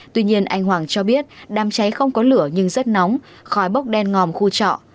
tuy nhiên anh hoàng cho biết đám cháy không có lửa nhưng rất nóng khói bốc đen ngòm khu trọ